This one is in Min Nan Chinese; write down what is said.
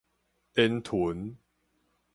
煙黗